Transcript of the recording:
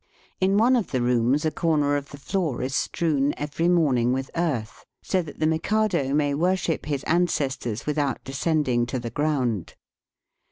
In one of the rooms a comer of the floor is strewn every morning with earth, so that the Mikado may worship his ancestors without descending to the ground.